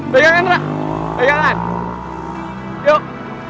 pegangan rara pegangan yuk